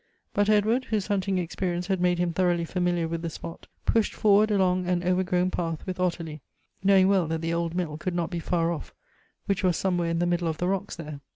But Edward, whose hunting experience had made him thoroughly familiar with the spot, pushed forward along an overgrown path with Ottilie, knowing well that the old mill could not be far oflF, which was somewhere in the middle of the rocks there.